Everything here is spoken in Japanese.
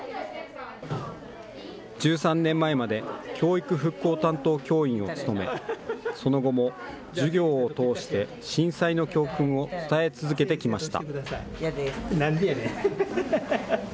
１３年前まで教育復興担当教員を務め、その後も授業を通して震災の教訓を伝え続けてきました。